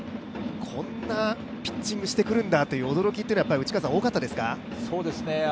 こんなピッチングしてくるんだという驚きというのは多かったですか？